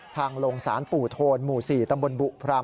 ทางลงศาลปู่โทนหมู่๔ตำบลบุพราม